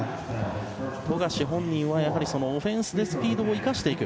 富樫本人はオフェンスでスピードを生かしていく。